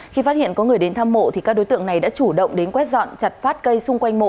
khi phát hiện có người đến thăm mộ các đối tượng này đã chủ động đến quét dọn chặt phát cây xung quanh mộ